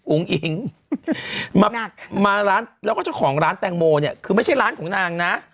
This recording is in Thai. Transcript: อิงมาร้านแล้วก็เจ้าของร้านแตงโมเนี่ยคือไม่ใช่ร้านของนางนะ